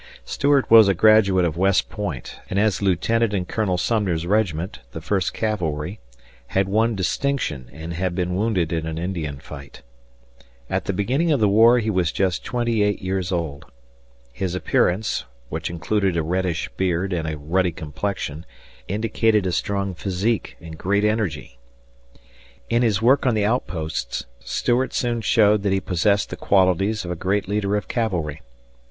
Stuart was a graduate of West Point and as a lieutenant in Colonel Sumner's regiment, the First Cavalry, had won distinction and had been wounded in an Indian fight. At the beginning of the war he was just twenty eight years old. His appearance which included a reddish beard and a ruddy complexion indicated a strong physique and great energy. In his work on the outposts Stuart soon showed that he possessed the qualities of a great leader of cavalry.